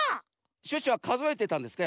シュッシュはかぞえてたんですか？